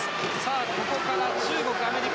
ここから中国、アメリカ